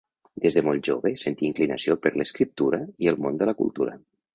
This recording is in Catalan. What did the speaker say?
Des de molt jove sentí inclinació per l'escriptura i el món de la cultura.